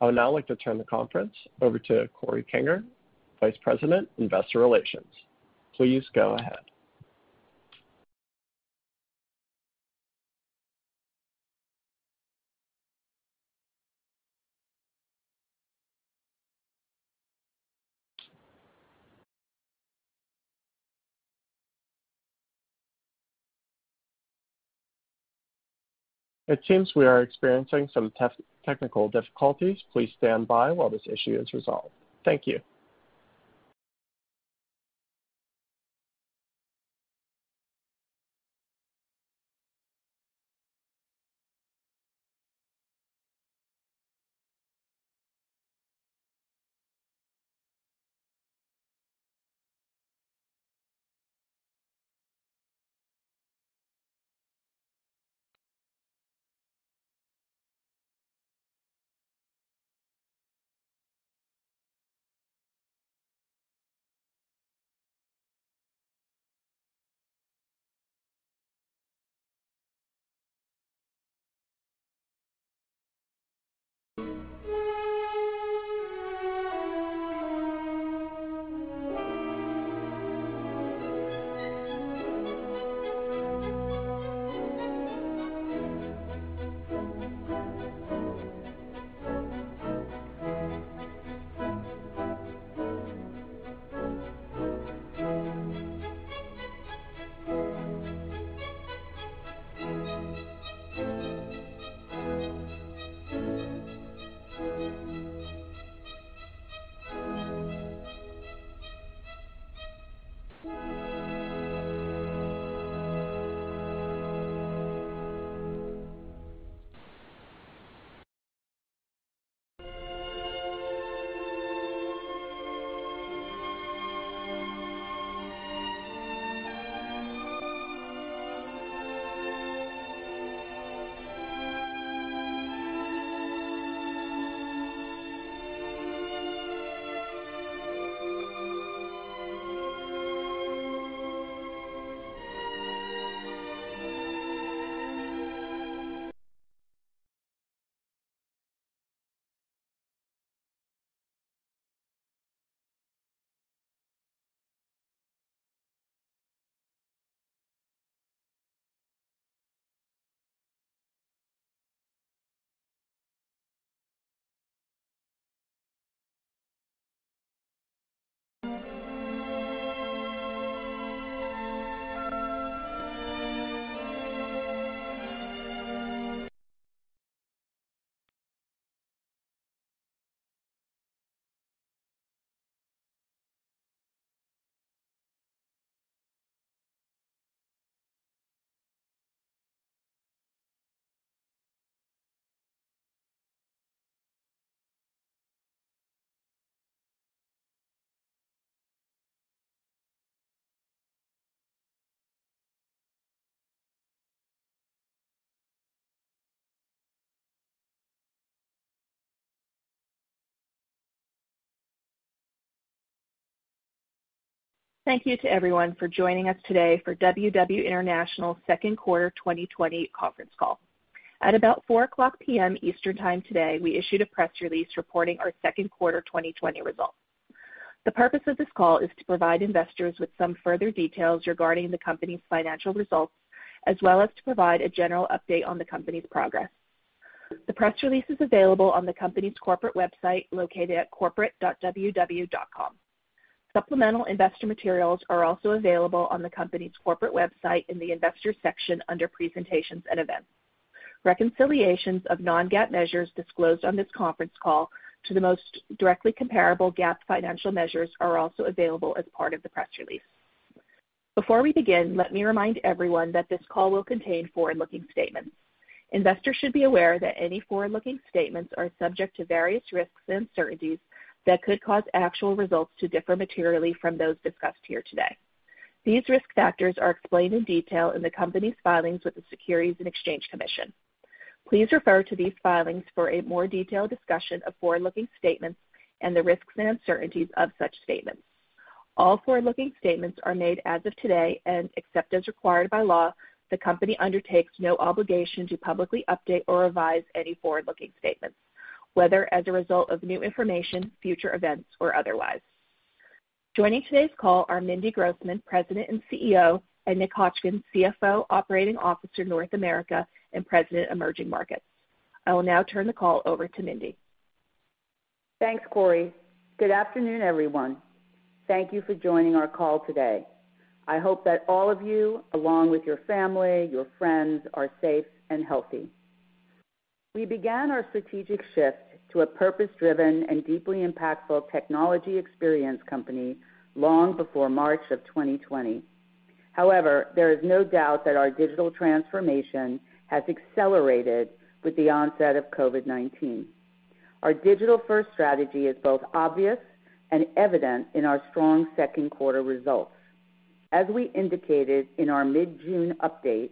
I would now like to turn the conference over to Corey Kinger, Vice President, Investor Relations. Please go ahead. Thank you to everyone for joining us today for WW International's second quarter 2020 conference call. At about 4:00 P.M. Eastern Time today, we issued a press release reporting our second quarter 2020 results. The purpose of this call is to provide investors with some further details regarding the company's financial results, as well as to provide a general update on the company's progress. The press release is available on the company's corporate website, located at corporate.ww.com. Supplemental investor materials are also available on the company's corporate website in the Investors section under Presentations and Events. Reconciliations of non-GAAP measures disclosed on this conference call to the most directly comparable GAAP financial measures are also available as part of the press release. Before we begin, let me remind everyone that this call will contain forward-looking statements. Investors should be aware that any forward-looking statements are subject to various risks and uncertainties that could cause actual results to differ materially from those discussed here today. These risk factors are explained in detail in the company's filings with the Securities and Exchange Commission. Please refer to these filings for a more detailed discussion of forward-looking statements and the risks and uncertainties of such statements. All forward-looking statements are made as of today, and except as required by law, the company undertakes no obligation to publicly update or revise any forward-looking statements, whether as a result of new information, future events, or otherwise. Joining today's call are Mindy Grossman, President and CEO, and Nick Hotchkin, CFO, Operating Officer, North America, and President, Emerging Markets. I will now turn the call over to Mindy. Thanks, Corey. Good afternoon, everyone. Thank you for joining our call today. I hope that all of you, along with your family, your friends, are safe and healthy. We began our strategic shift to a purpose-driven and deeply impactful technology experience company long before March of 2020. However, there is no doubt that our digital transformation has accelerated with the onset of COVID-19. Our Digital First strategy is both obvious and evident in our strong second quarter results. As we indicated in our mid-June update,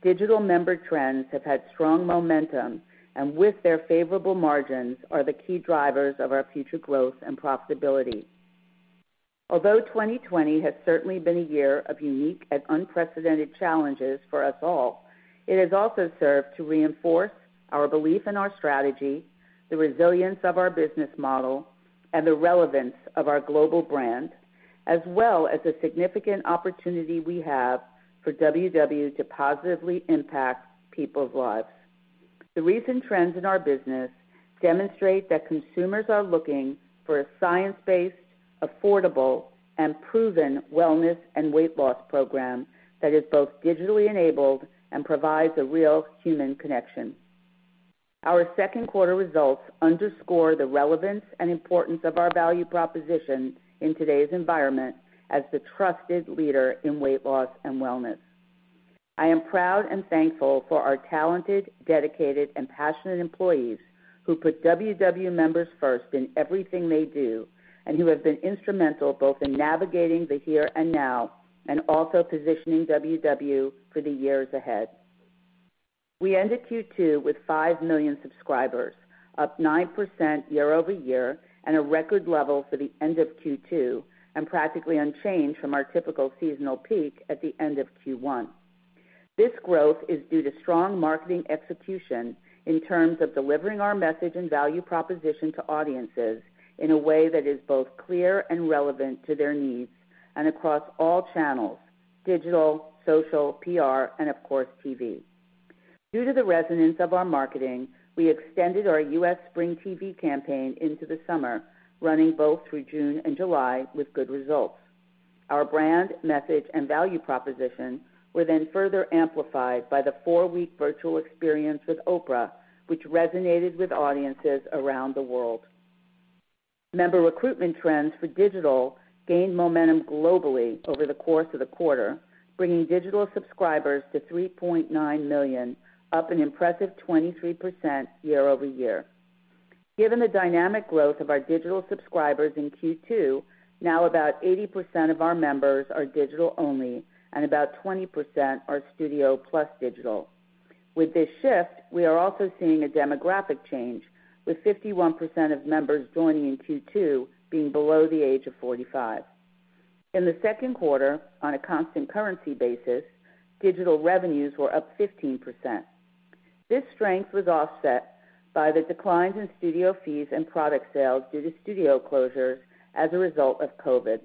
digital member trends have had strong momentum, and with their favorable margins are the key drivers of our future growth and profitability. Although 2020 has certainly been a year of unique and unprecedented challenges for us all, it has also served to reinforce our belief in our strategy, the resilience of our business model, and the relevance of our global brand, as well as the significant opportunity we have for WW to positively impact people's lives. The recent trends in our business demonstrate that consumers are looking for a science-based, affordable, and proven wellness and weight loss program that is both digitally enabled and provides a real human connection. Our second quarter results underscore the relevance and importance of our value proposition in today's environment as the trusted leader in weight loss and wellness. I am proud and thankful for our talented, dedicated, and passionate employees who put WW members first in everything they do, and who have been instrumental both in navigating the here and now, and also positioning WW for the years ahead. We ended Q2 with 5 million subscribers, up 9% year-over-year, and a record level for the end of Q2, and practically unchanged from our typical seasonal peak at the end of Q1. This growth is due to strong marketing execution in terms of delivering our message and value proposition to audiences in a way that is both clear and relevant to their needs, and across all channels: digital, social, PR, and of course, TV. Due to the resonance of our marketing, we extended our U.S. spring TV campaign into the summer, running both through June and July with good results. Our brand, message, and value proposition were further amplified by the four-week virtual experience with Oprah, which resonated with audiences around the world. Member recruitment trends for digital gained momentum globally over the course of the quarter, bringing digital subscribers to 3.9 million, up an impressive 23% year-over-year. Given the dynamic growth of our digital subscribers in Q2, now about 80% of our members are digital only, and about 20% are Studio plus digital. With this shift, we are also seeing a demographic change, with 51% of members joining in Q2 being below the age of 45. In the second quarter, on a constant currency basis, digital revenues were up 15%. This strength was offset by the declines in Studio fees and product sales due to Studio closures as a result of COVID.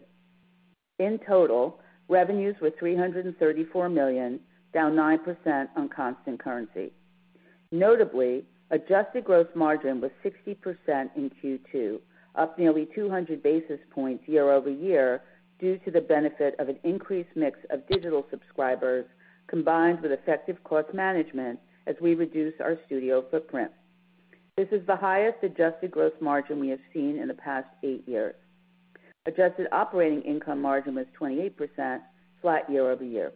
In total, revenues were $334 million, down 9% on constant currency. Notably, adjusted gross margin was 60% in Q2, up nearly 200 basis points year-over-year due to the benefit of an increased mix of digital subscribers combined with effective cost management as we reduce our Studio footprint. This is the highest adjusted gross margin we have seen in the past eight years. Adjusted operating income margin was 28%, flat year-over-year.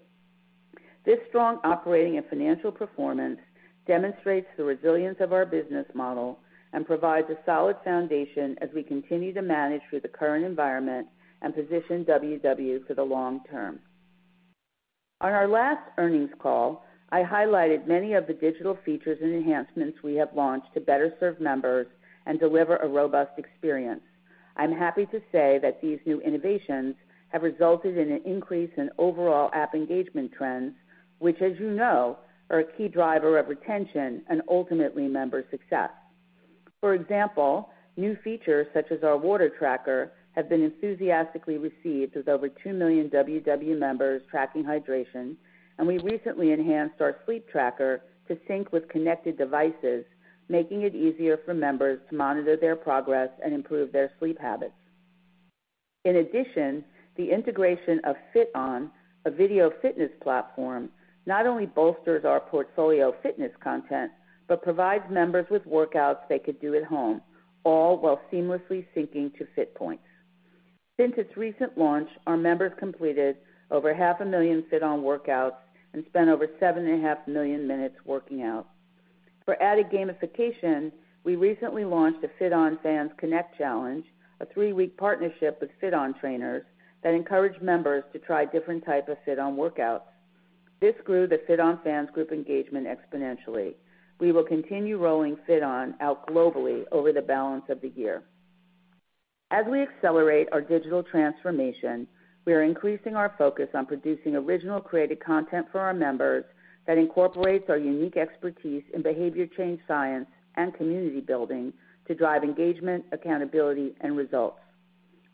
This strong operating and financial performance demonstrates the resilience of our business model and provides a solid foundation as we continue to manage through the current environment and position WW for the long term. On our last earnings call, I highlighted many of the digital features and enhancements we have launched to better serve members and deliver a robust experience. I'm happy to say that these new innovations have resulted in an increase in overall app engagement trends, which, as you know, are a key driver of retention and ultimately, member success. For example, new features such as our water tracker have been enthusiastically received, with over 2 million WW members tracking hydration, and we recently enhanced our sleep tracker to sync with connected devices, making it easier for members to monitor their progress and improve their sleep habits. In addition, the integration of FitOn, a video fitness platform, not only bolsters our portfolio of fitness content, but provides members with workouts they could do at home, all while seamlessly syncing to FitPoints. Since its recent launch, our members completed over 0.5 million FitOn workouts and spent over 7.5 million minutes working out. For added gamification, we recently launched the FitOn Fans Connect Challenge, a three-week partnership with FitOn trainers that encouraged members to try different type of FitOn workouts. This grew the FitOn Fans group engagement exponentially. We will continue rolling FitOn out globally over the balance of the year. As we accelerate our digital transformation, we are increasing our focus on producing original created content for our members that incorporates our unique expertise in behavior change science and community building to drive engagement, accountability, and results.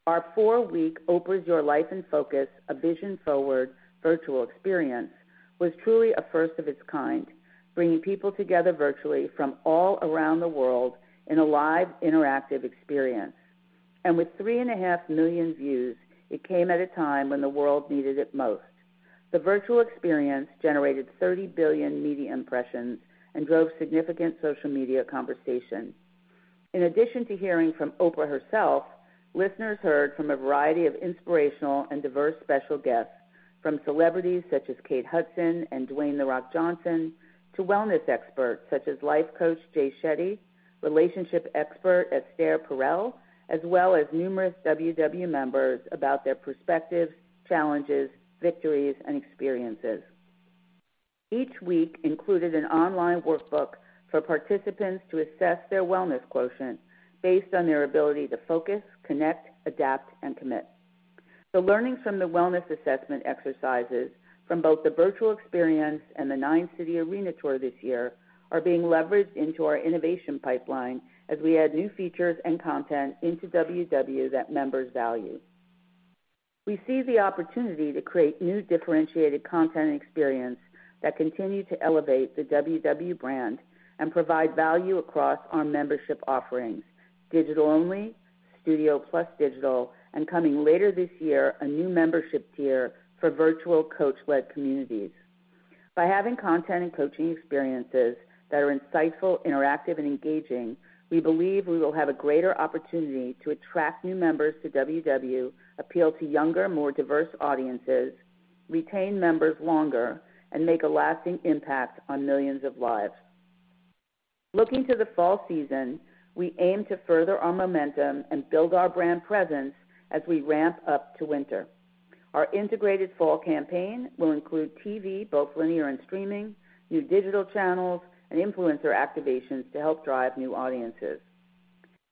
Our four-week Oprah's Your Life in Focus: A Vision Forward virtual experience was truly a first of its kind, bringing people together virtually from all around the world in a live interactive experience. With three and a half million views, it came at a time when the world needed it most. The virtual experience generated 30 billion media impressions and drove significant social media conversation. In addition to hearing from Oprah herself, listeners heard from a variety of inspirational and diverse special guests, from celebrities such as Kate Hudson and Dwayne The Rock Johnson, to wellness experts such as life coach Jay Shetty, relationship expert Esther Perel, as well as numerous WW members about their perspectives, challenges, victories, and experiences. Each week included an online workbook for participants to assess their wellness quotient based on their ability to focus, connect, adapt, and commit. The learnings from the wellness assessment exercises from both the virtual experience and the nine-city arena tour this year are being leveraged into our innovation pipeline as we add new features and content into WW that members value. We see the opportunity to create new differentiated content and experience that continue to elevate the WW brand and provide value across our membership offerings: digital only, studio plus digital, and coming later this year, a new membership tier for virtual coach-led communities. By having content and coaching experiences that are insightful, interactive, and engaging, we believe we will have a greater opportunity to attract new members to WW, appeal to younger, more diverse audiences, retain members longer, and make a lasting impact on millions of lives. Looking to the fall season, we aim to further our momentum and build our brand presence as we ramp up to winter. Our integrated fall campaign will include TV, both linear and streaming, new digital channels, and influencer activations to help drive new audiences.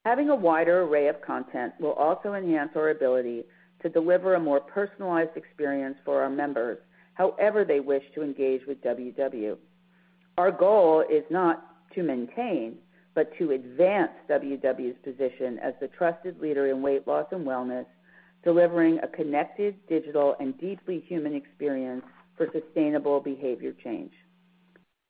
Having a wider array of content will also enhance our ability to deliver a more personalized experience for our members, however they wish to engage with WW. Our goal is not to maintain, but to advance WW's position as the trusted leader in weight loss and wellness, delivering a connected, digital, and deeply human experience for sustainable behavior change.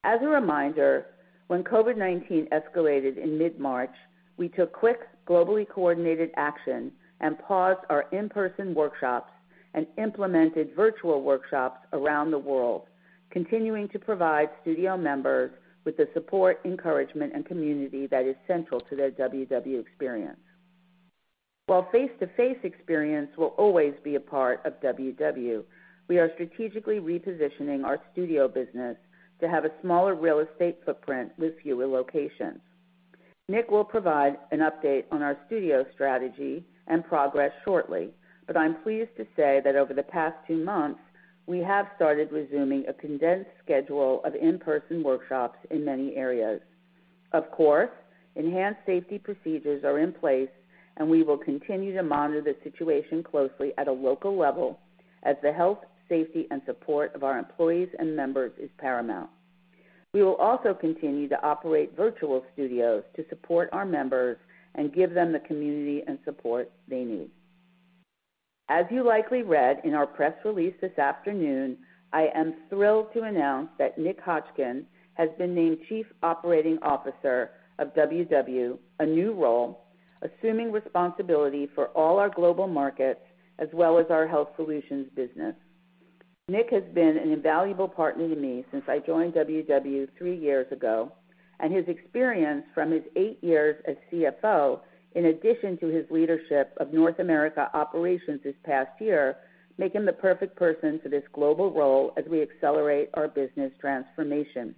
As a reminder, when COVID-19 escalated in mid-March, we took quick, globally coordinated action and paused our in-person workshops and implemented virtual workshops around the world, continuing to provide studio members with the support, encouragement, and community that is central to their WW experience. While face-to-face experience will always be a part of WW, we are strategically repositioning our studio business to have a smaller real estate footprint with fewer locations. Nick will provide an update on our studio strategy and progress shortly, but I'm pleased to say that over the past two months, we have started resuming a condensed schedule of in-person workshops in many areas. Of course, enhanced safety procedures are in place, and we will continue to monitor the situation closely at a local level as the health, safety, and support of our employees and members is paramount. We will also continue to operate virtual studios to support our members and give them the community and support they need. As you likely read in our press release this afternoon, I am thrilled to announce that Nick Hotchkin has been named Chief Operating Officer of WW, a new role, assuming responsibility for all our global markets, as well as our WW Health Solutions business. Nick has been an invaluable partner to me since I joined WW three years ago, and his experience from his eight years as CFO, in addition to his leadership of North America operations this past year, make him the perfect person for this global role as we accelerate our business transformation.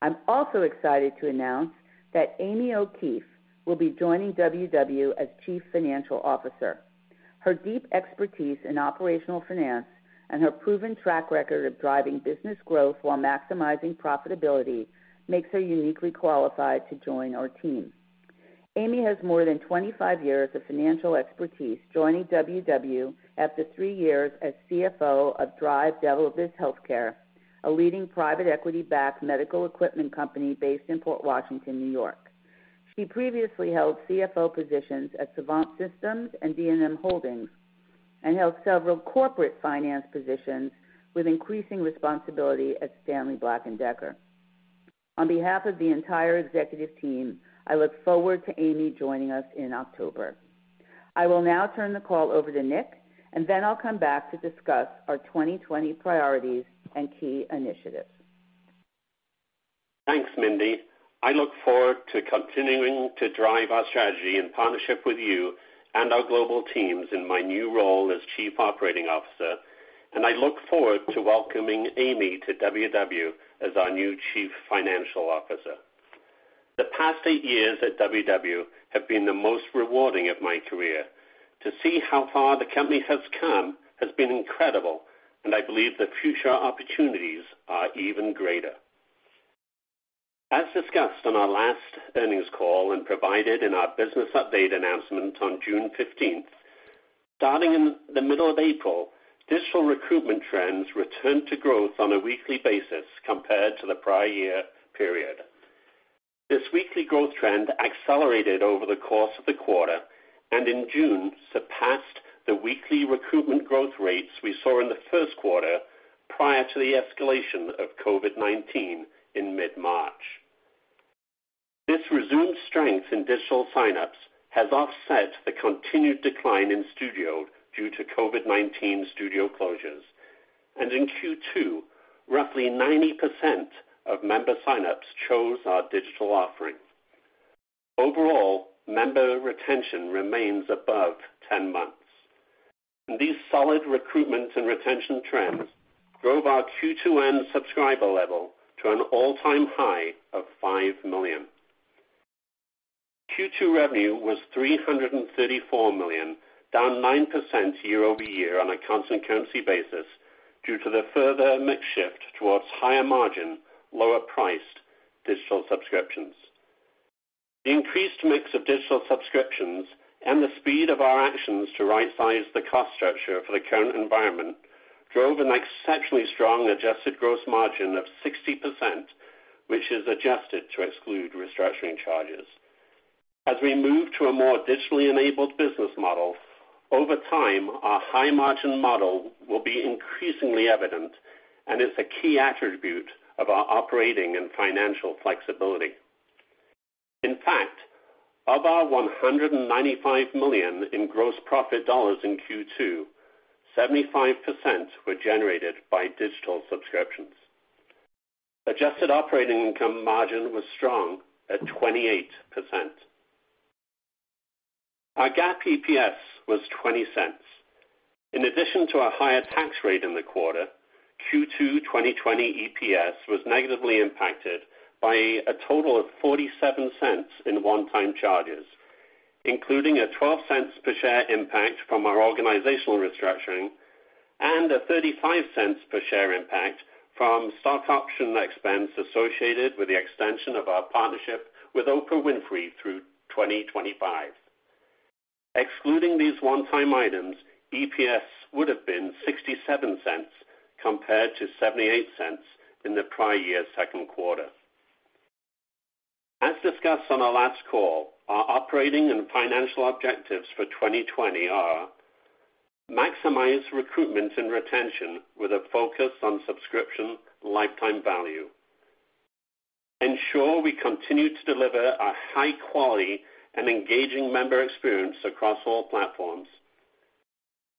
I'm also excited to announce that Amy O'Keefe will be joining WW as Chief Financial Officer. Her deep expertise in operational finance and her proven track record of driving business growth while maximizing profitability makes her uniquely qualified to join our team. Amy has more than 25 years of financial expertise, joining WW after three years as CFO of Drive DeVilbiss Healthcare, a leading private equity-backed medical equipment company based in Port Washington, N.Y. She previously held CFO positions at Savant Systems and D&M Holdings, and held several corporate finance positions with increasing responsibility at Stanley Black & Decker. On behalf of the entire executive team, I look forward to Amy joining us in October. I will now turn the call over to Nick, and then I'll come back to discuss our 2020 priorities and key initiatives. Thanks, Mindy. I look forward to continuing to drive our strategy in partnership with you and our global teams in my new role as Chief Operating Officer, and I look forward to welcoming Amy to WW as our new Chief Financial Officer. The past eight years at WW have been the most rewarding of my career. To see how far the company has come has been incredible, and I believe the future opportunities are even greater. As discussed on our last earnings call and provided in our business update announcement on June 15th, starting in the middle of April, digital recruitment trends returned to growth on a weekly basis compared to the prior year period. This weekly growth trend accelerated over the course of the quarter, and in June, surpassed the weekly recruitment growth rates we saw in the first quarter prior to the escalation of COVID-19 in mid-March. This resumed strength in digital sign-ups has offset the continued decline in studio due to COVID-19 studio closures. In Q2, roughly 90% of member sign-ups chose our digital offerings. Overall, member retention remains above 10 months. These solid recruitment and retention trends drove our Q2 end subscriber level to an all-time high of 5 million. Q2 revenue was $334 million, down 9% year-over-year on a constant currency basis due to the further mix shift towards higher margin, lower-priced digital subscriptions. The increased mix of digital subscriptions and the speed of our actions to right-size the cost structure for the current environment drove an exceptionally strong adjusted gross margin of 60%, which is adjusted to exclude restructuring charges. As we move to a more digitally enabled business model, over time, our high-margin model will be increasingly evident and is a key attribute of our operating and financial flexibility. Of our $195 million in gross profit dollars in Q2, 75% were generated by digital subscriptions. Adjusted operating income margin was strong at 28%. Our GAAP EPS was $0.20. In addition to a higher tax rate in the quarter, Q2 2020 EPS was negatively impacted by a total of $0.47 in one-time charges, including a $0.12 per share impact from our organizational restructuring and a $0.35 per share impact from stock option expense associated with the extension of our partnership with Oprah Winfrey through 2025. Excluding these one-time items, EPS would've been $0.67 compared to $0.78 in the prior year's second quarter. As discussed on our last call, our operating and financial objectives for 2020 are maximize recruitment and retention with a focus on subscription lifetime value, ensure we continue to deliver a high-quality and engaging member experience across all platforms,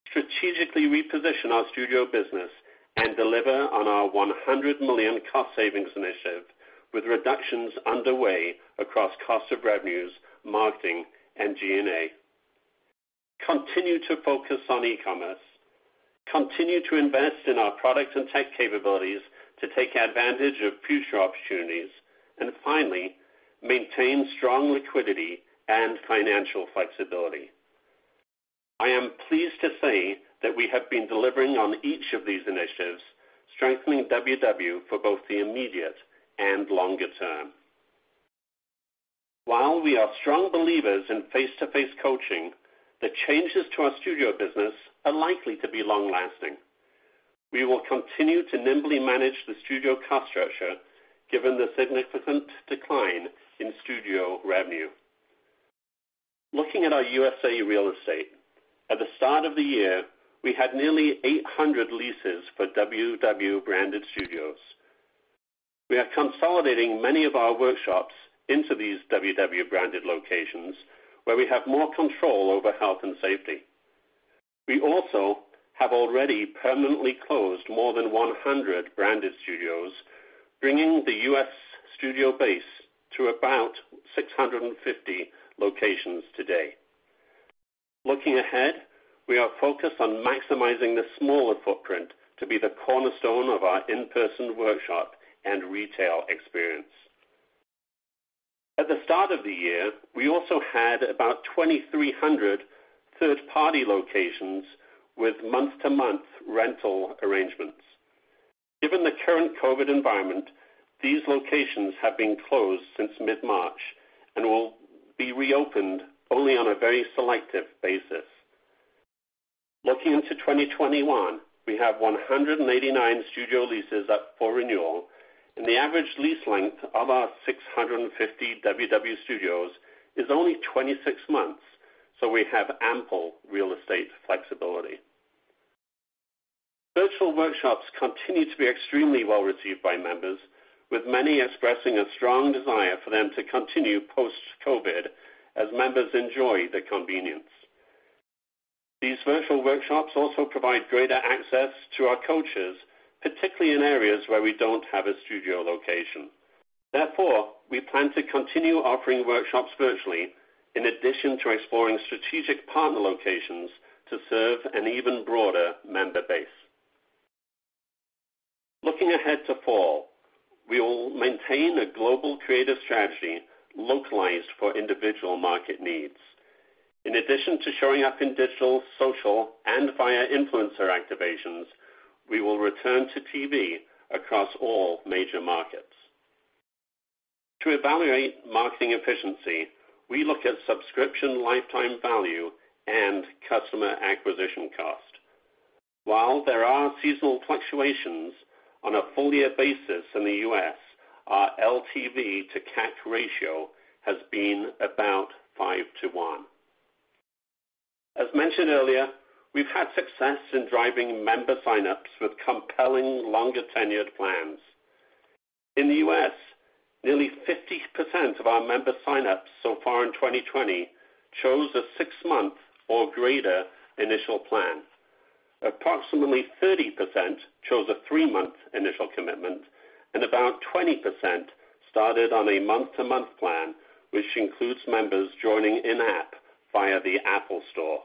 strategically reposition our studio business and deliver on our $100 million cost savings initiative with reductions underway across cost of revenues, marketing, and G&A. Continue to focus on e-commerce, continue to invest in our product and tech capabilities to take advantage of future opportunities, finally, maintain strong liquidity and financial flexibility. I am pleased to say that we have been delivering on each of these initiatives, strengthening WW for both the immediate and longer term. While we are strong believers in face-to-face coaching, the changes to our studio business are likely to be long-lasting. We will continue to nimbly manage the studio cost structure given the significant decline in studio revenue. Looking at our USA real estate, at the start of the year, we had nearly 800 leases for WW branded studios. We are consolidating many of our workshops into these WW branded locations where we have more control over health and safety. We also have already permanently closed more than 100 branded studios, bringing the U.S. studio base to about 650 locations today. Looking ahead, we are focused on maximizing the smaller footprint to be the cornerstone of our in-person workshop and retail experience. At the start of the year, we also had about 2,300 third-party locations with month-to-month rental arrangements. Given the current COVID environment, these locations have been closed since mid-March and will be reopened only on a very selective basis. Looking into 2021, we have 189 studio leases up for renewal and the average lease length of our 650 WW studios is only 26 months, so we have ample real estate flexibility. Virtual workshops continue to be extremely well-received by members, with many expressing a strong desire for them to continue post-COVID-19 as members enjoy the convenience. These virtual workshops also provide greater access to our coaches, particularly in areas where we don't have a studio location. Therefore, we plan to continue offering workshops virtually, in addition to exploring strategic partner locations to serve an even broader member base. Looking ahead to fall, we will maintain a global creative strategy localized for individual market needs. In addition to showing up in digital, social, and via influencer activations, we will return to TV across all major markets. To evaluate marketing efficiency, we look at subscription lifetime value and customer acquisition cost. While there are seasonal fluctuations, on a full-year basis in the U.S., our LTV to CAC ratio has been about 5:1. As mentioned earlier, we've had success in driving member sign-ups with compelling longer-tenured plans. In the U.S., nearly 50% of our member sign-ups so far in 2020 chose a six-month or greater initial plan. Approximately 30% chose a three-month initial commitment, and about 20% started on a month-to-month plan, which includes members joining in-app via the App Store.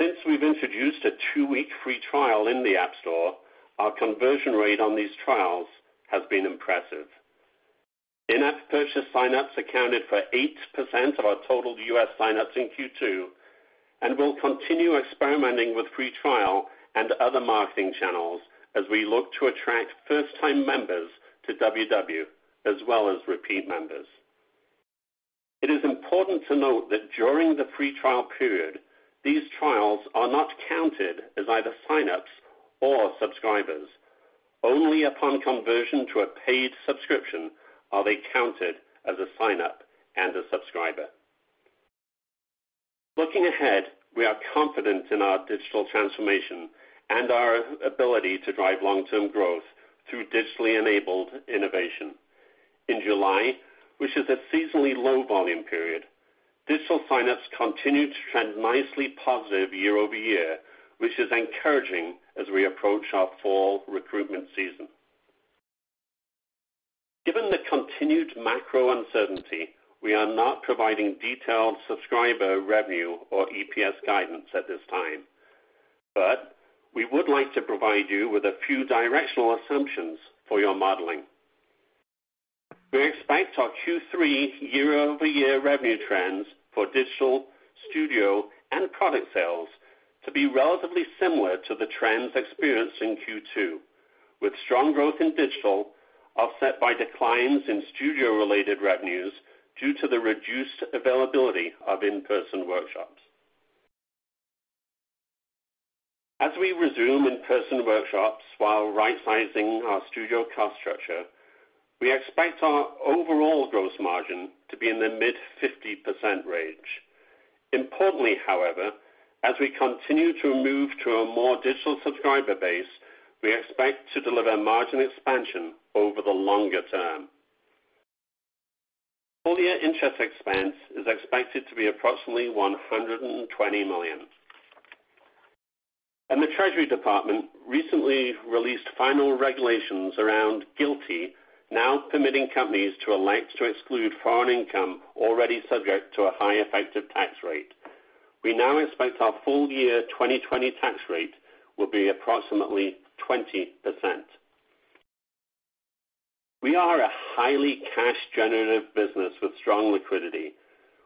Since we've introduced a two-week free trial in the App Store, our conversion rate on these trials has been impressive. In-app purchase sign-ups accounted for 8% of our total U.S. sign-ups in Q2, and we'll continue experimenting with free trial and other marketing channels as we look to attract first-time members to WW, as well as repeat members. It is important to note that during the free trial period, these trials are not counted as either sign-ups or subscribers. Only upon conversion to a paid subscription are they counted as a sign-up and a subscriber. Looking ahead, we are confident in our digital transformation and our ability to drive long-term growth through digitally enabled innovation. In July, which is a seasonally low volume period, digital sign-ups continued to trend nicely positive year-over-year, which is encouraging as we approach our fall recruitment season. Given the continued macro uncertainty, we are not providing detailed subscriber revenue or EPS guidance at this time, but we would like to provide you with a few directional assumptions for your modeling. We expect our Q3 year-over-year revenue trends for digital, studio, and product sales to be relatively similar to the trends experienced in Q2, with strong growth in digital offset by declines in studio-related revenues due to the reduced availability of in-person workshops. As we resume in-person workshops while rightsizing our studio cost structure, we expect our overall gross margin to be in the mid 50% range. Importantly, however, as we continue to move to a more digital subscriber base, we expect to deliver margin expansion over the longer term. Full-year interest expense is expected to be approximately $120 million. The Treasury Department recently released final regulations around GILTI now permitting companies to elect to exclude foreign income already subject to a high effective tax rate. We now expect our full-year 2020 tax rate will be approximately 20%. We are a highly cash-generative business with strong liquidity.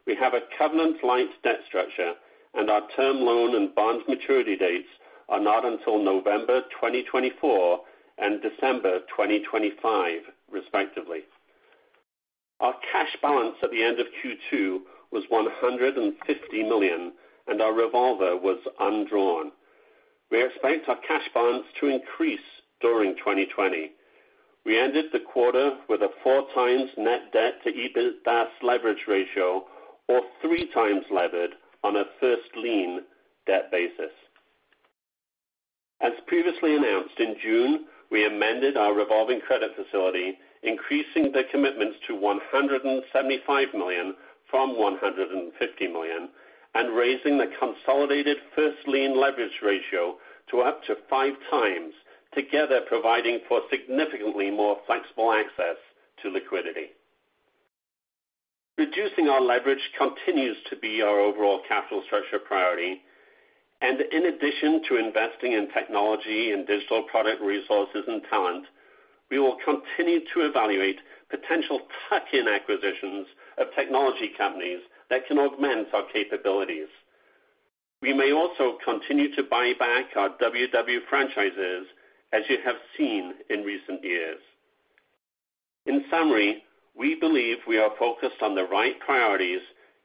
We have a covenant-light debt structure, and our term loan and bonds maturity dates are not until November 2024 and December 2025, respectively. Our cash balance at the end of Q2 was $150 million, and our revolver was undrawn. We expect our cash balance to increase during 2020. We ended the quarter with a four times net debt to EBITDA leverage ratio, or three times levered on a first lien debt basis. As previously announced in June, we amended our revolving credit facility, increasing the commitments to $175 million from $150 million and raising the consolidated first lien leverage ratio to up to five times, together providing for significantly more flexible access to liquidity. Reducing our leverage continues to be our overall capital structure priority. In addition to investing in technology and digital product resources and talent, we will continue to evaluate potential tuck-in acquisitions of technology companies that can augment our capabilities. We may also continue to buy back our WW franchises, as you have seen in recent years. In summary, we believe we are focused on the right priorities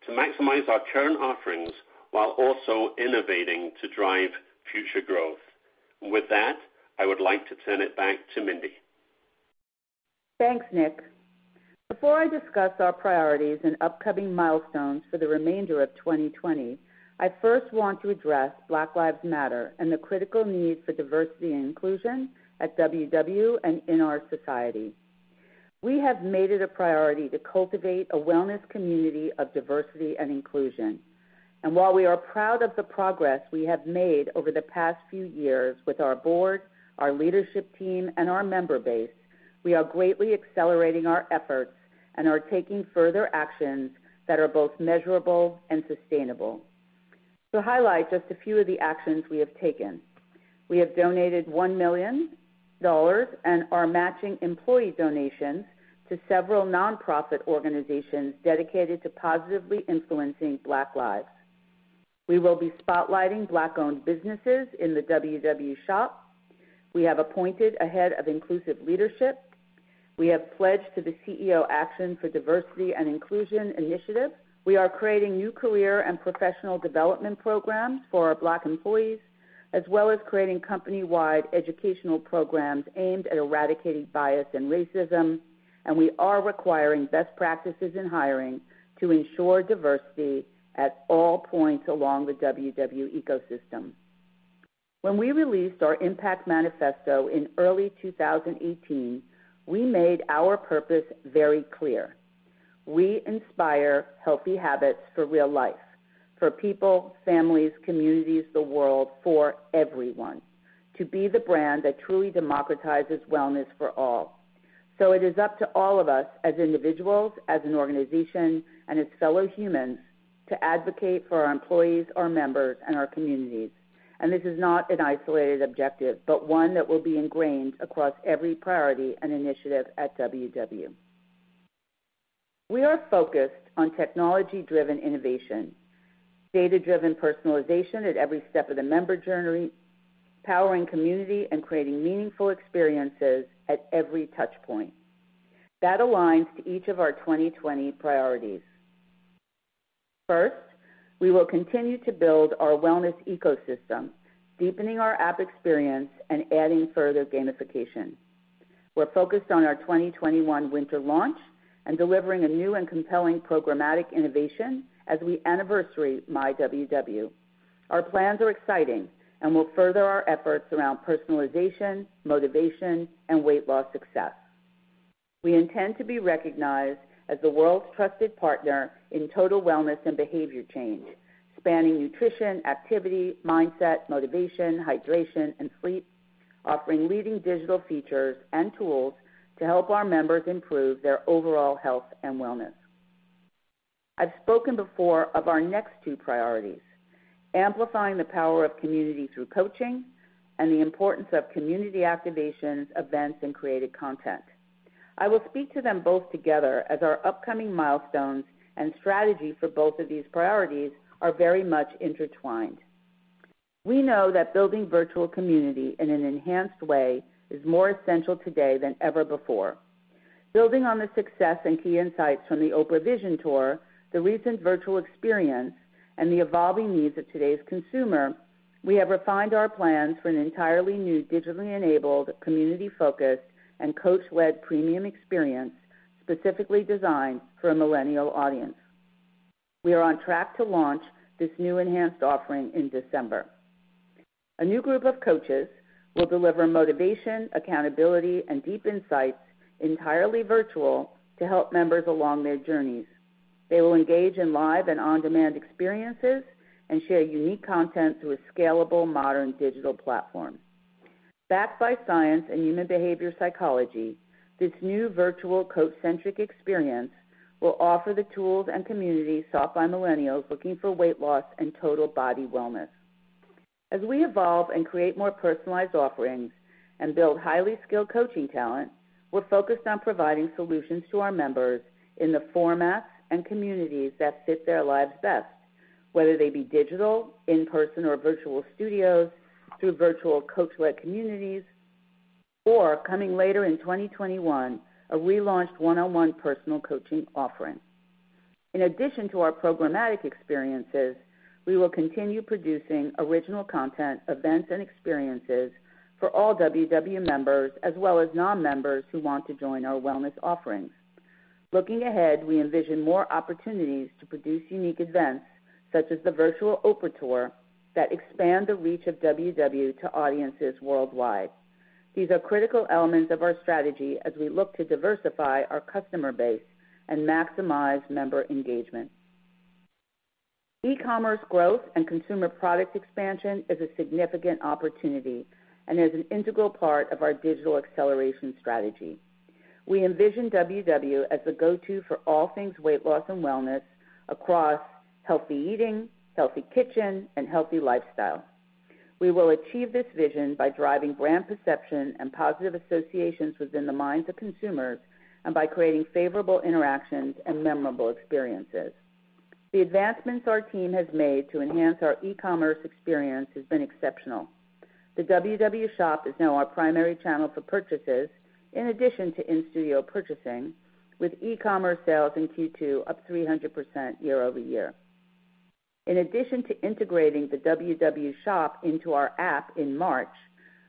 to maximize our current offerings while also innovating to drive future growth. With that, I would like to turn it back to Mindy. Thanks, Nick. Before I discuss our priorities and upcoming milestones for the remainder of 2020, I first want to address Black Lives Matter and the critical need for diversity and inclusion at WW and in our society. While we are proud of the progress we have made over the past few years with our board, our leadership team, and our member base, we are greatly accelerating our efforts and are taking further actions that are both measurable and sustainable. To highlight just a few of the actions we have taken, we have donated $1 million and are matching employee donations to several nonprofit organizations dedicated to positively influencing Black lives. We will be spotlighting Black-owned businesses in the WW Shop. We have appointed a head of inclusive leadership. We have pledged to the CEO Action for Diversity & Inclusion. We are creating new career and professional development programs for our Black employees, as well as creating company-wide educational programs aimed at eradicating bias and racism, and we are requiring best practices in hiring to ensure diversity at all points along the WW ecosystem. We released our impact manifesto in early 2018, we made our purpose very clear. We inspire healthy habits for real life for people, families, communities, the world, for everyone. To be the brand that truly democratizes wellness for all. It is up to all of us as individuals, as an organization, and as fellow humans to advocate for our employees, our members, and our communities. This is not an isolated objective, but one that will be ingrained across every priority and initiative at WW. We are focused on technology-driven innovation, data-driven personalization at every step of the member journey, powering community, and creating meaningful experiences at every touch point. That aligns to each of our 2020 priorities. First, we will continue to build our wellness ecosystem, deepening our app experience and adding further gamification. We are focused on our 2021 winter launch and delivering a new and compelling programmatic innovation as we anniversary myWW. Our plans are exciting and will further our efforts around personalization, motivation, and weight loss success. We intend to be recognized as the world's trusted partner in total wellness and behavior change, spanning nutrition, activity, mindset, motivation, hydration, and sleep, offering leading digital features and tools to help our members improve their overall health and wellness. I've spoken before of our next two priorities: amplifying the power of community through coaching, and the importance of community activations, events, and created content. I will speak to them both together as our upcoming milestones and strategy for both of these priorities are very much intertwined. We know that building virtual community in an enhanced way is more essential today than ever before. Building on the success and key insights from the Oprah Vision tour, the recent virtual experience, and the evolving needs of today's consumer, we have refined our plans for an entirely new digitally-enabled, community-focused, and coach-led premium experience specifically designed for a millennial audience. We are on track to launch this new enhanced offering in December. A new group of coaches will deliver motivation, accountability, and deep insights entirely virtual to help members along their journeys. They will engage in live and on-demand experiences and share unique content through a scalable, modern digital platform. Backed by science and human behavior psychology, this new virtual coach-centric experience will offer the tools and community sought by millennials looking for weight loss and total body wellness. As we evolve and create more personalized offerings and build highly skilled coaching talent, we're focused on providing solutions to our members in the formats and communities that fit their lives best, whether they be digital, in-person, or virtual studios, through virtual coach-led communities, or coming later in 2021, a relaunched one-on-one personal coaching offering. In addition to our programmatic experiences, we will continue producing original content, events, and experiences for all WW members as well as non-members who want to join our wellness offerings. Looking ahead, we envision more opportunities to produce unique events, such as the virtual Oprah tour, that expand the reach of WW to audiences worldwide. These are critical elements of our strategy as we look to diversify our customer base and maximize member engagement. E-commerce growth and consumer product expansion is a significant opportunity and is an integral part of our digital acceleration strategy. We envision WW as the go-to for all things weight loss and wellness across healthy eating, healthy kitchen, and healthy lifestyle. We will achieve this vision by driving brand perception and positive associations within the minds of consumers and by creating favorable interactions and memorable experiences. The advancements our team has made to enhance our e-commerce experience has been exceptional. The WW Shop is now our primary channel for purchases, in addition to in-studio purchasing, with e-commerce sales in Q2 up 300% year-over-year. In addition to integrating the WW Shop into our app in March,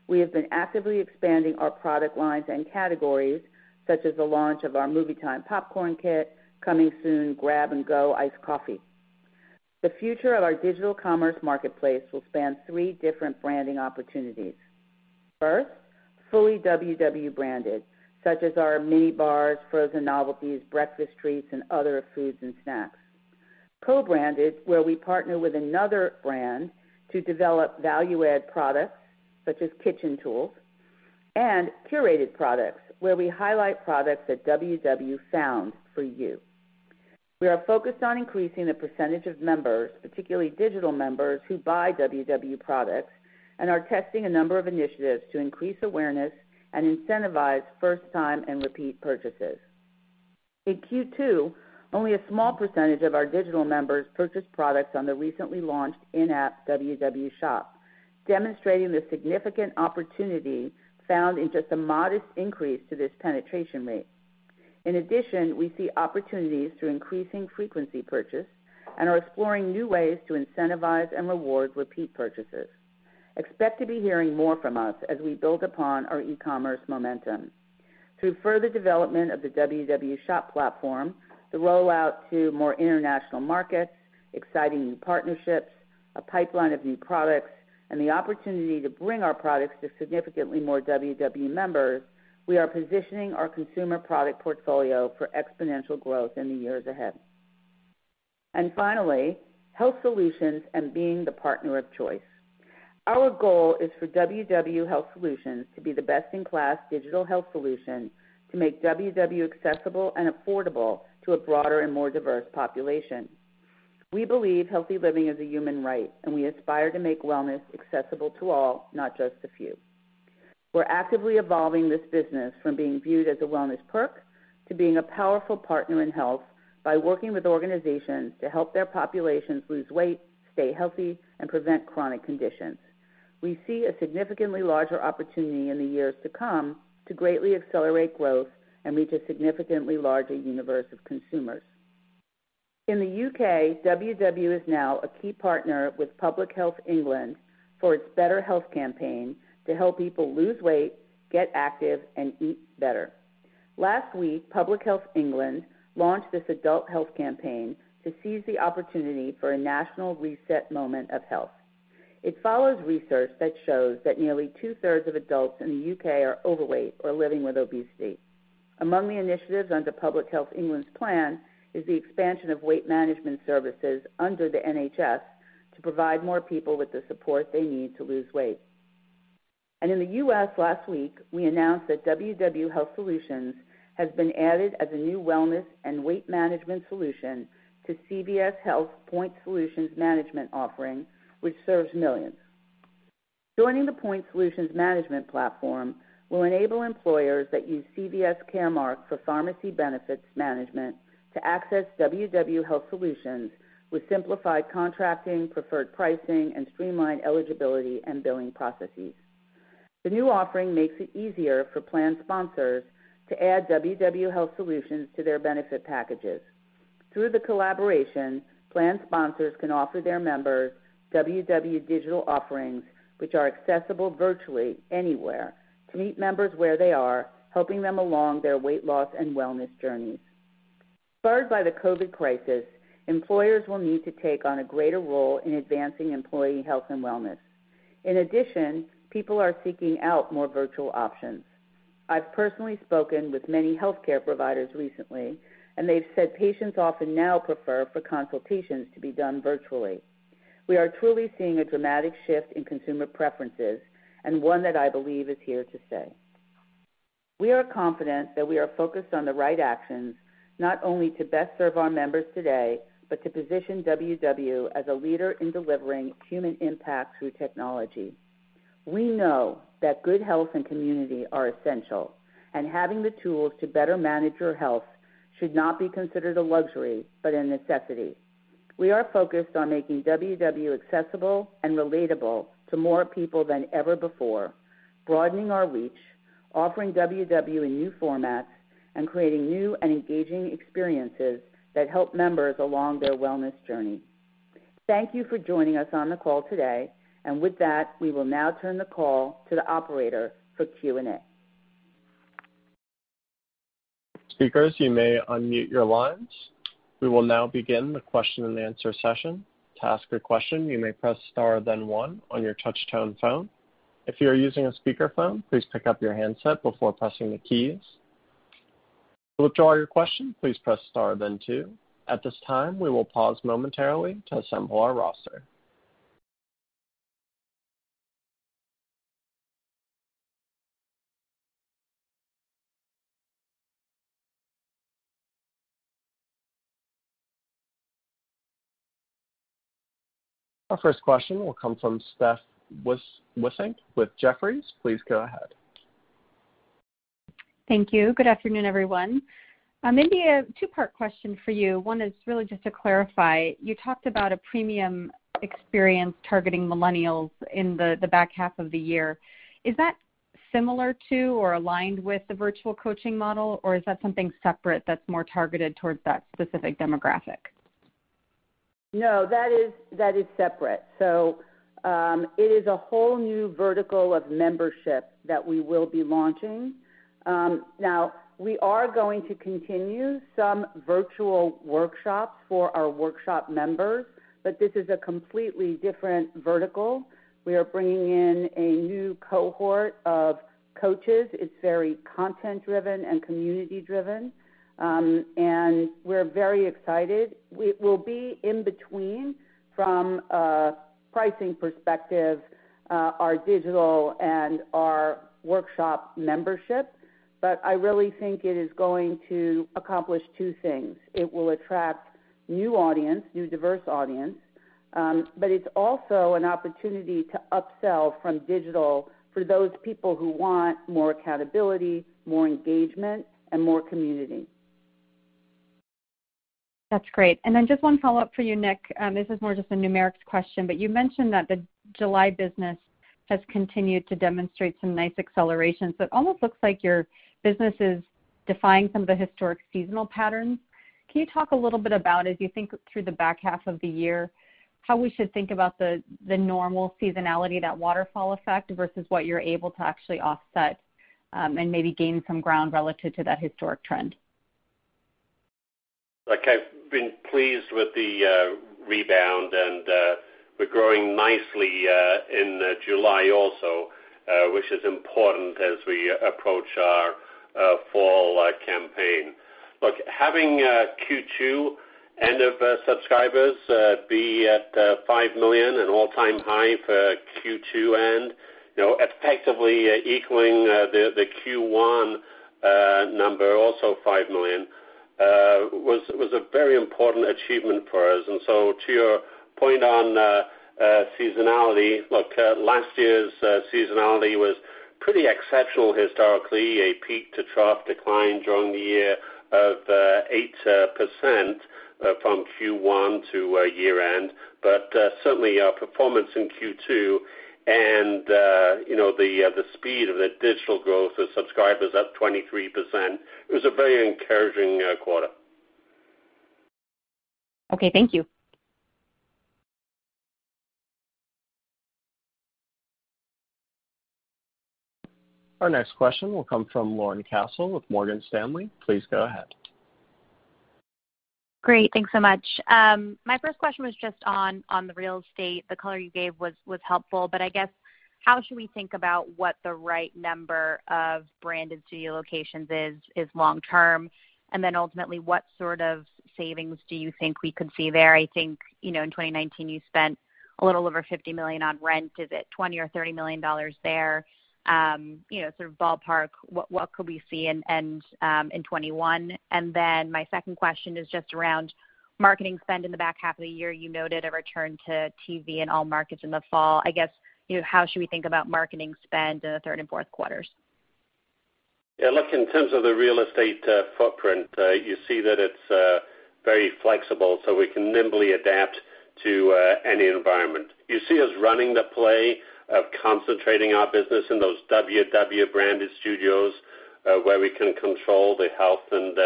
we have been actively expanding our product lines and categories such as the launch of our Movie Time Popcorn kit, coming soon Grab & Go Iced Coffee. The future of our digital commerce marketplace will span three different branding opportunities. First, fully WW branded, such as our mini bars, frozen novelties, breakfast treats, and other foods and snacks. Co-branded, where we partner with another brand to develop value-add products such as kitchen tools. Curated products where we highlight products that WW found for you. We are focused on increasing the percentage of members, particularly digital members, who buy WW products and are testing a number of initiatives to increase awareness and incentivize first time and repeat purchases. In Q2, only a small percentage of our digital members purchased products on the recently launched in-app WW Shop, demonstrating the significant opportunity found in just a modest increase to this penetration rate. In addition, we see opportunities through increasing frequency purchase and are exploring new ways to incentivize and reward repeat purchases. Expect to be hearing more from us as we build upon our e-commerce momentum. Through further development of the WW Shop platform, the rollout to more international markets, exciting new partnerships, a pipeline of new products, and the opportunity to bring our products to significantly more WW members, we are positioning our consumer product portfolio for exponential growth in the years ahead. Finally, Health Solutions and being the partner of choice. Our goal is for WW Health Solutions to be the best-in-class digital health solution to make WW accessible and affordable to a broader and more diverse population. We believe healthy living is a human right, and we aspire to make wellness accessible to all, not just a few. We're actively evolving this business from being viewed as a wellness perk to being a powerful partner in health by working with organizations to help their populations lose weight, stay healthy, and prevent chronic conditions. We see a significantly larger opportunity in the years to come to greatly accelerate growth and reach a significantly larger universe of consumers. In the U.K., WW is now a key partner with Public Health England for its Better Health campaign to help people lose weight, get active, and eat better. Last week, Public Health England launched this adult health campaign to seize the opportunity for a national reset moment of health. It follows research that shows that nearly two-thirds of adults in the U.K. are overweight or living with obesity. Among the initiatives under Public Health England's plan is the expansion of weight management services under the NHS to provide more people with the support they need to lose weight. In the U.S. last week, we announced that WW Health Solutions has been added as a new wellness and weight management solution to CVS Health's Point Solutions Management offering, which serves millions. Joining the Point Solutions Management platform will enable employers that use CVS Caremark for pharmacy benefits management to access WW Health Solutions with simplified contracting, preferred pricing, and streamlined eligibility and billing processes. The new offering makes it easier for plan sponsors to add WW Health Solutions to their benefit packages. Through the collaboration, plan sponsors can offer their members WW digital offerings, which are accessible virtually anywhere, to meet members where they are, helping them along their weight loss and wellness journeys. Spurred by the COVID crisis, employers will need to take on a greater role in advancing employee health and wellness. In addition, people are seeking out more virtual options. I've personally spoken with many healthcare providers recently, and they've said patients often now prefer for consultations to be done virtually. We are truly seeing a dramatic shift in consumer preferences, and one that I believe is here to stay. We are confident that we are focused on the right actions, not only to best serve our members today, but to position WW as a leader in delivering human impact through technology. We know that good health and community are essential, and having the tools to better manage your health should not be considered a luxury, but a necessity. We are focused on making WW accessible and relatable to more people than ever before, broadening our reach, offering WW in new formats, and creating new and engaging experiences that help members along their wellness journey. Thank you for joining us on the call today. With that, we will now turn the call to the operator for Q&A. Our first question will come from Stephanie Wissink with Jefferies. Please go ahead. Thank you. Good afternoon, everyone. Maybe a two-part question for you. One is really just to clarify. You talked about a premium experience targeting millennials in the back half of the year. Is that similar to or aligned with the virtual coaching model, or is that something separate that's more targeted towards that specific demographic? No, that is separate. It is a whole new vertical of membership that we will be launching. We are going to continue some virtual workshops for our workshop members, but this is a completely different vertical. We are bringing in a new cohort of coaches. It's very content-driven and community-driven. We're very excited. We'll be in between, from a pricing perspective, our digital and our workshop membership. I really think it is going to accomplish two things. It will attract new audience, new diverse audience, but it's also an opportunity to upsell from digital for those people who want more accountability, more engagement, and more community. That's great. Just one follow-up for you, Nick. This is more just a numerics question, but you mentioned that the July business has continued to demonstrate some nice acceleration. It almost looks like your business is defying some of the historic seasonal patterns. Can you talk a little bit about, as you think through the back half of the year, how we should think about the normal seasonality, that waterfall effect, versus what you're able to actually offset, and maybe gain some ground relative to that historic trend? Look, I've been pleased with the rebound and we're growing nicely in July also, which is important as we approach our fall campaign. Look, having Q2 end of subscribers be at 5 million, an all-time high for Q2 end, effectively equaling the Q1 number, also 5 million, was a very important achievement for us. To your point on seasonality, look, last year's seasonality was pretty exceptional historically, a peak-to-trough decline during the year of 8% from Q1 to year-end. Certainly, our performance in Q2 and the speed of the digital growth of subscribers up 23%, it was a very encouraging quarter. Okay, thank you. Our next question will come from Lauren Cassel with Morgan Stanley. Please go ahead. Great, thanks so much. My first question was just on the real estate. The color you gave was helpful. I guess how should we think about what the right number of branded studio locations is long term? Ultimately, what sort of savings do you think we could see there? I think, in 2019, you spent a little over $50 million on rent. Is it $20 or $30 million there? Sort of ballpark, what could we see in 2021? My second question is just around marketing spend in the back half of the year. You noted a return to TV in all markets in the fall. I guess, how should we think about marketing spend in the third and fourth quarters? Look, in terms of the real estate footprint, you see that it's very flexible, so we can nimbly adapt to any environment. You see us running the play of concentrating our business in those WW branded studios, where we can control the health and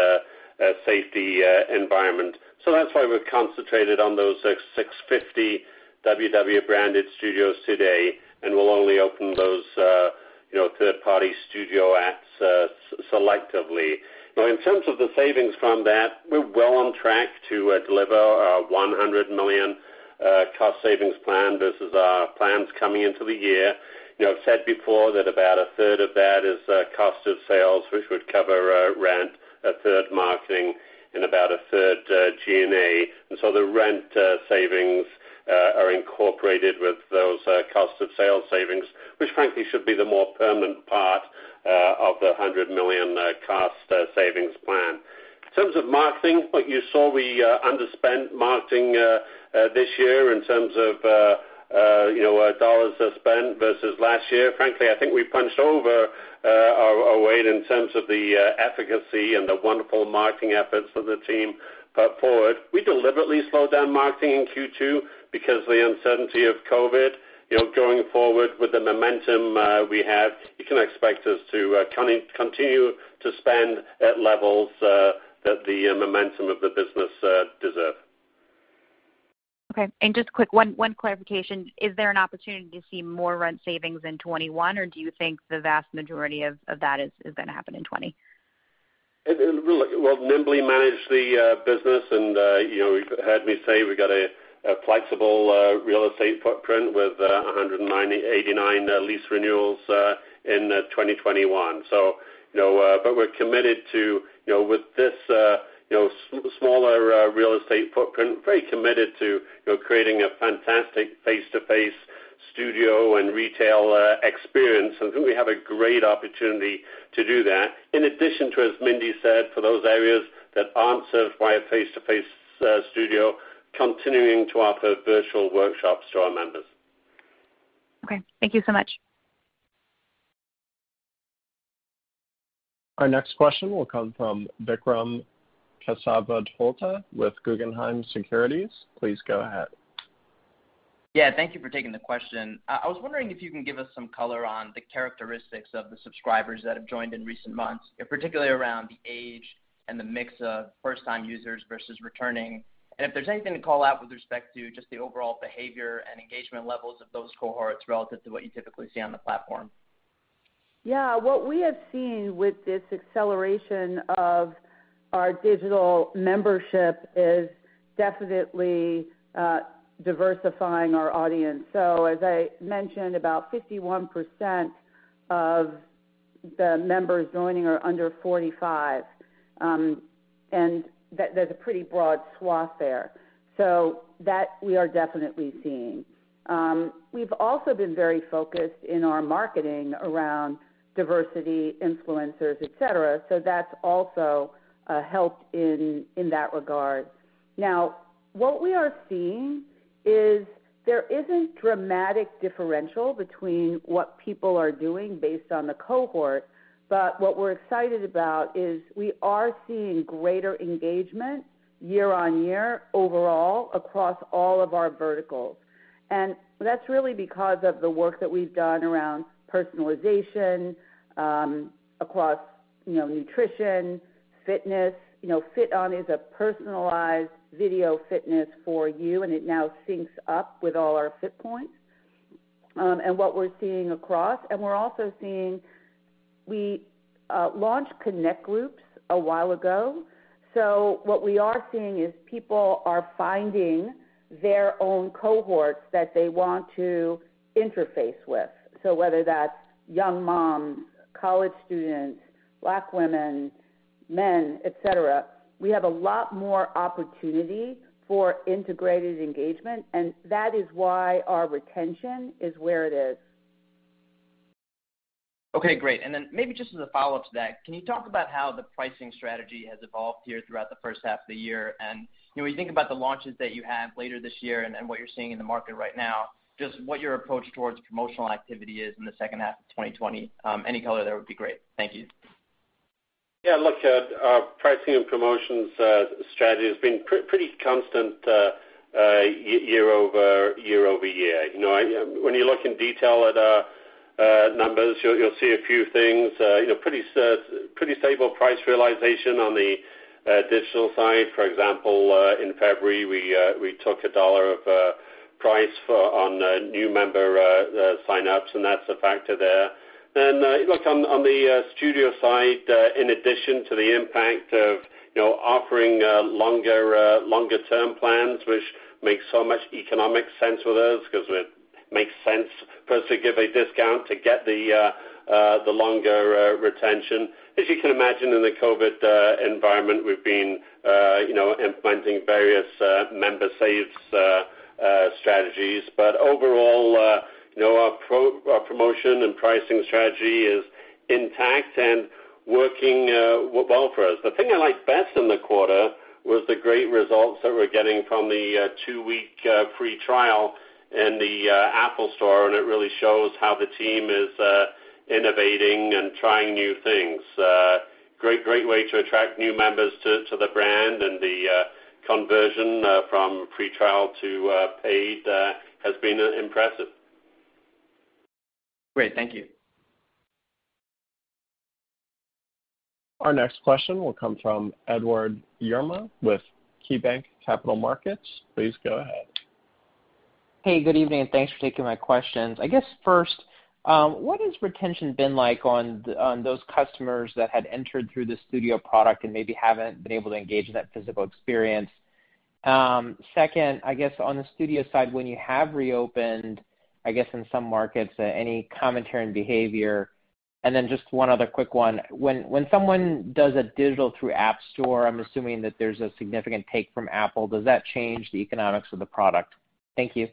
safety environment. That's why we're concentrated on those 650 WW branded studios today, and we'll only open those third-party studio ads selectively. In terms of the savings from that, we're well on track to deliver our $100 million cost savings plan versus our plans coming into the year. I've said before that about a third of that is cost of sales, which would cover rent, a third marketing, and about a third G&A. The rent savings are incorporated with those cost of sales savings, which frankly should be the more permanent part of the $100 million cost savings plan. In terms of marketing, what you saw, we underspent marketing this year in terms of dollars spent versus last year. Frankly, I think we punched over our weight in terms of the efficacy and the wonderful marketing efforts of the team put forward. We deliberately slowed down marketing in Q2 because of the uncertainty of COVID-19. Going forward with the momentum we have, you can expect us to continue to spend at levels that the momentum of the business deserve. Okay. Just quick, one clarification. Is there an opportunity to see more rent savings in 2021, or do you think the vast majority of that is going to happen in 2020? You've heard me say we've got a flexible real estate footprint with 189 lease renewals in 2021. We're committed to, with this smaller real estate footprint, very committed to creating a fantastic face-to-face studio and retail experience. I think we have a great opportunity to do that, in addition to, as Mindy said, for those areas that aren't served by a face-to-face studio, continuing to offer virtual workshops to our members. Okay. Thank you so much. Our next question will come from Vikram Kesavabhotla with Guggenheim Securities. Please go ahead. Yeah, thank you for taking the question. I was wondering if you can give us some color on the characteristics of the subscribers that have joined in recent months, particularly around the age and the mix of first-time users versus returning. If there's anything to call out with respect to just the overall behavior and engagement levels of those cohorts relative to what you typically see on the platform? Yeah. What we have seen with this acceleration of our digital membership is definitely diversifying our audience. As I mentioned, about 51% of the members joining are under 45, and there's a pretty broad swath there. That we are definitely seeing. We've also been very focused in our marketing around diversity influencers, et cetera, so that's also helped in that regard. Now, what we are seeing is there isn't dramatic differential between what people are doing based on the cohort. What we're excited about is we are seeing greater engagement year-on-year overall across all of our verticals. That's really because of the work that we've done around personalization across nutrition, fitness. FitOn is a personalized video fitness for you, and it now syncs up with all our FitPoints. What we're also seeing, we launched Connect Groups a while ago. What we are seeing is people are finding their own cohorts that they want to interface with. Whether that's young moms, college students, Black women, men, et cetera, we have a lot more opportunity for integrated engagement, and that is why our retention is where it is. Okay, great. Then maybe just as a follow-up to that, can you talk about how the pricing strategy has evolved here throughout the first half of the year? When you think about the launches that you have later this year and what you're seeing in the market right now, just what your approach towards promotional activity is in the second half of 2020. Any color there would be great. Thank you. Yeah, look, our pricing and promotions strategy has been pretty constant year-over-year. When you look in detail at our numbers, you'll see a few things, pretty stable price realization on the digital side. For example, in February, we took $1 of price on new member signups, that's a factor there. Look, on the studio side, in addition to the impact of offering longer term plans, which makes so much economic sense for those, because it makes sense for us to give a discount to get the longer retention. As you can imagine in the COVID environment, we've been implementing various member saves strategies. Overall, our promotion and pricing strategy is intact and working well for us. The thing I liked best in the quarter was the great results that we're getting from the two-week free trial in the App Store, and it really shows how the team is innovating and trying new things. Great way to attract new members to the brand, and the conversion from free trial to paid has been impressive. Great. Thank you. Our next question will come from Edward Yruma with KeyBanc Capital Markets. Please go ahead. Hey, good evening, thanks for taking my questions. I guess first, what has retention been like on those customers that had entered through the studio product and maybe haven't been able to engage in that physical experience? Second, I guess on the studio side, when you have reopened, I guess in some markets, any commentary on behavior? Then just one other quick one. When someone does a digital through App Store, I'm assuming that there's a significant take from Apple. Does that change the economics of the product? Thank you.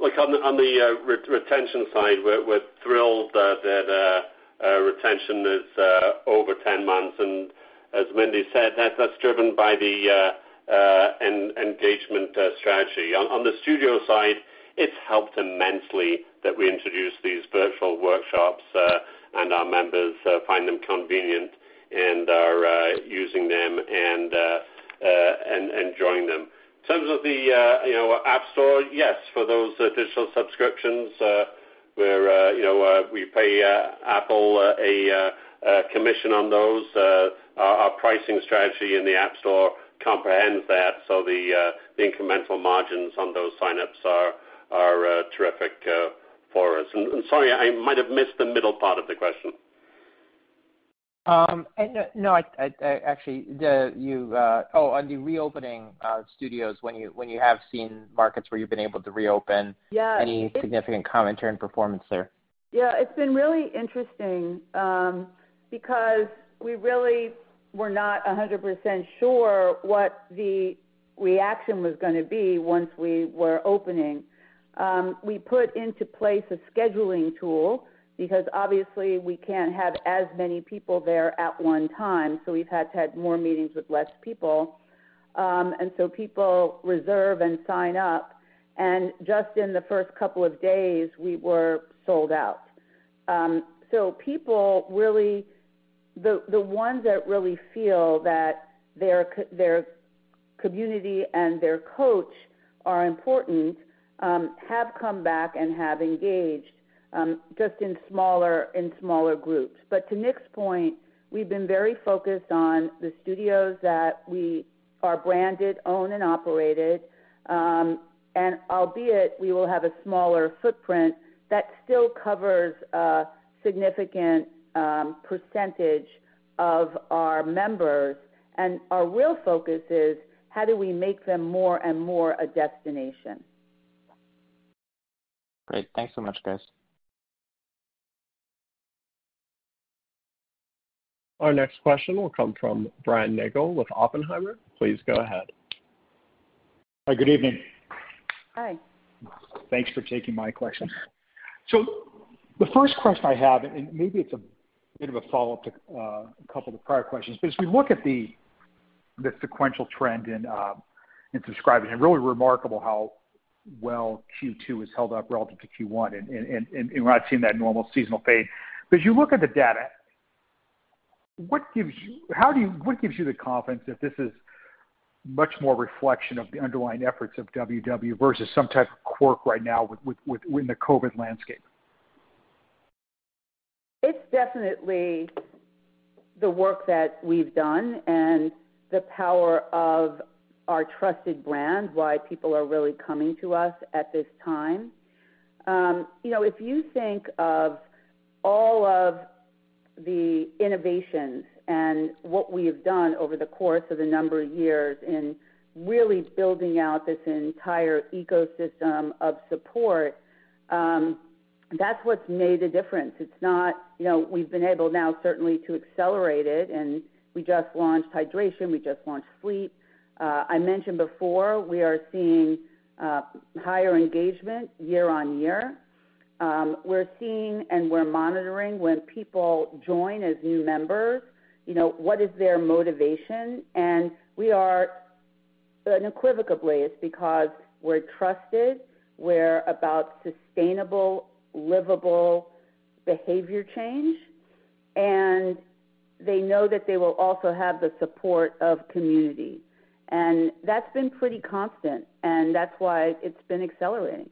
Look, on the retention side, we're thrilled that our retention is over 10 months, and as Mindy said, that's driven by the engagement strategy. On the studio side, it's helped immensely that we introduced these virtual workshops, and our members find them convenient and are using them and enjoying them. In terms of the App Store, yes, for those digital subscriptions, we pay Apple a commission on those. Our pricing strategy in the App Store comprehends that. The incremental margins on those sign-ups are terrific for us. Sorry, I might have missed the middle part of the question. No. Oh, on the reopening studios, when you have seen markets where you've been able to reopen. Yeah any significant commentary on performance there? Yeah, it's been really interesting, because we really were not 100% sure what the reaction was going to be once we were opening. We put into place a scheduling tool, because obviously we can't have as many people there at one time, so we've had to have more meetings with less people. People reserve and sign up, and just in the first couple of days, we were sold out. People, the ones that really feel that their community and their coach are important, have come back and have engaged, just in smaller groups. To Nick's point, we've been very focused on the studios that we are branded, own and operated. Albeit we will have a smaller footprint, that still covers a significant percentage of our members, and our real focus is how do we make them more and more a destination. Great. Thanks so much, guys. Our next question will come from Brian Nagel with Oppenheimer. Please go ahead. Hi, good evening. Hi. Thanks for taking my questions. The first question I have, and maybe it's a bit of a follow-up to a couple of the prior questions, but as we look at the sequential trend in subscribing, and really remarkable how well Q2 has held up relative to Q1, and we're not seeing that normal seasonal fade. As you look at the data, what gives you the confidence that this is much more reflection of the underlying efforts of WW versus some type of quirk right now in the COVID landscape? It's definitely the work that we've done and the power of our trusted brand, why people are really coming to us at this time. If you think of all of the innovations and what we have done over the course of a number of years in really building out this entire ecosystem of support, that's what's made a difference. We've been able now certainly to accelerate it. We just launched hydration, we just launched sleep. I mentioned before, we are seeing higher engagement year-over-year. We're seeing and we're monitoring when people join as new members, what is their motivation. We are unequivocally, it's because we're trusted, we're about sustainable, livable behavior change, and they know that they will also have the support of community. That's been pretty constant, and that's why it's been accelerating.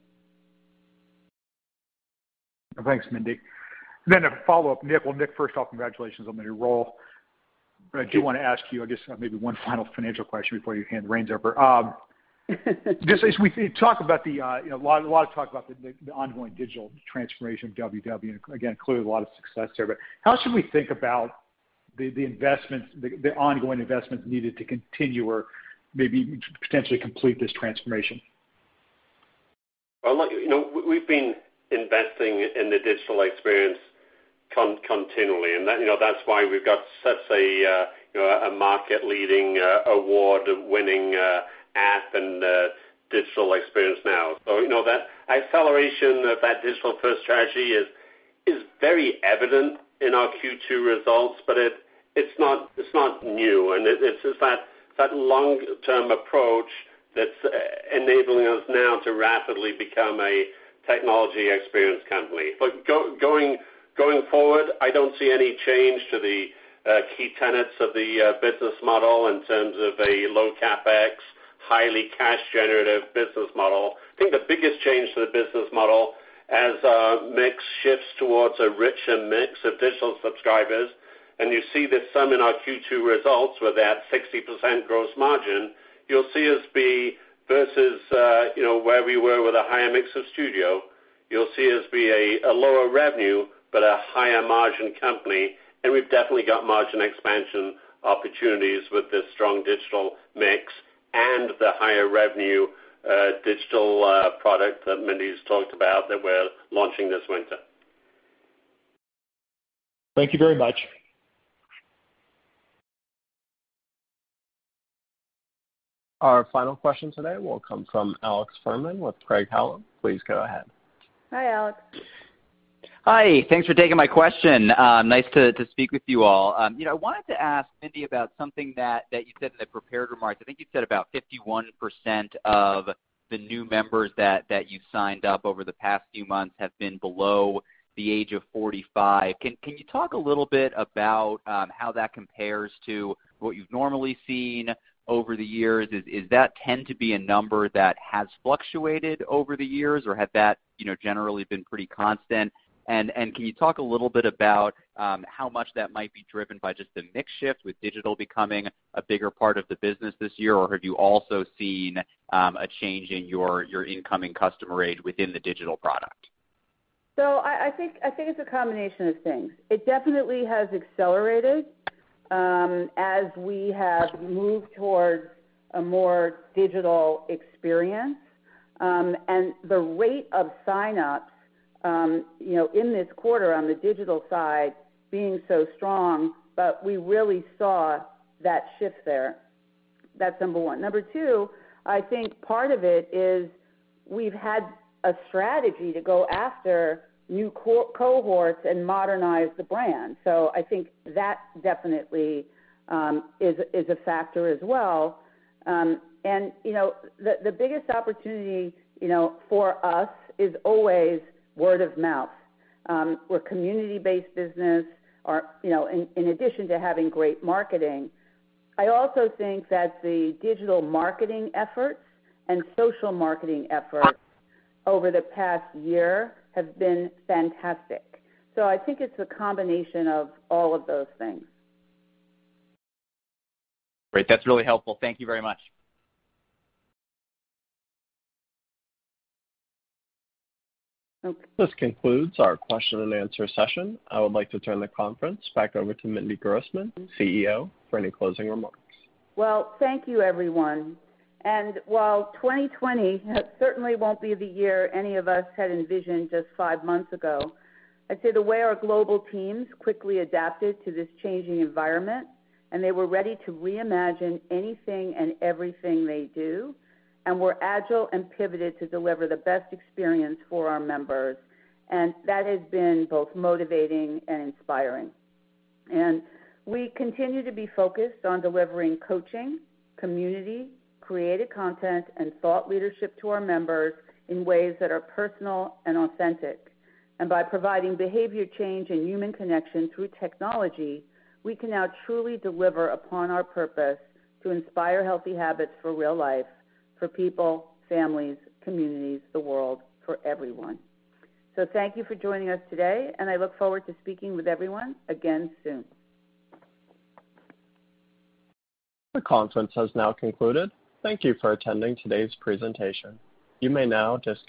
Thanks, Mindy. A follow-up, Nick. Well, Nick, first of all, congratulations on the new role. I do want to ask you, I guess maybe one final financial question before you hand the reins over. A lot of talk about the ongoing digital transformation of WW, and again, clearly a lot of success there. But how should we think about the ongoing investments needed to continue or maybe potentially complete this transformation? Well, we've been investing in the digital experience continually, and that's why we've got such a market-leading, award-winning app and digital experience now. That acceleration of that Digital First strategy is very evident in our Q2 results. It's not new, and it's just that long-term approach that's enabling us now to rapidly become a technology experience company. Going forward, I don't see any change to the key tenets of the business model in terms of a low CapEx, highly cash-generative business model. I think the biggest change to the business model, as mix shifts towards a richer mix of digital subscribers, and you see this some in our Q2 results with that 60% gross margin, you'll see us be versus where we were with a higher mix of studio. You'll see us be a lower revenue, but a higher-margin company, and we've definitely got margin expansion opportunities with this strong digital mix and the higher revenue digital product that Mindy's talked about that we're launching this winter. Thank you very much. Our final question today will come from Alex Fuhrman with Craig-Hallum. Please go ahead. Hi, Alex. Hi. Thanks for taking my question. Nice to speak with you all. I wanted to ask Mindy about something that you said in the prepared remarks. I think you said about 51% of the new members that you signed up over the past few months have been below the age of 45. Can you talk a little bit about how that compares to what you've normally seen over the years? Is that tend to be a number that has fluctuated over the years, or had that generally been pretty constant? Can you talk a little bit about how much that might be driven by just the mix shift with digital becoming a bigger part of the business this year, or have you also seen a change in your incoming customer age within the digital product? I think it's a combination of things. It definitely has accelerated as we have moved towards a more digital experience. The rate of sign-ups, in this quarter on the digital side being so strong, but we really saw that shift there. That's number one. Number two, I think part of it is we've had a strategy to go after new cohorts and modernize the brand. I think that definitely is a factor as well. The biggest opportunity for us is always word of mouth. We're a community-based business in addition to having great marketing. I also think that the digital marketing efforts and social marketing efforts over the past year have been fantastic. I think it's a combination of all of those things. Great. That's really helpful. Thank you very much. Okay. This concludes our question and answer session. I would like to turn the conference back over to Mindy Grossman, CEO, for any closing remarks. Well, thank you, everyone. While 2020 certainly won't be the year any of us had envisioned just five months ago, I'd say the way our global teams quickly adapted to this changing environment, and they were ready to reimagine anything and everything they do, and were agile and pivoted to deliver the best experience for our members, and that has been both motivating and inspiring. We continue to be focused on delivering coaching, community, creative content, and thought leadership to our members in ways that are personal and authentic. By providing behavior change and human connection through technology, we can now truly deliver upon our purpose to inspire healthy habits for real life for people, families, communities, the world, for everyone. Thank you for joining us today, and I look forward to speaking with everyone again soon. The conference has now concluded. Thank you for attending today's presentation. You may now disconnect.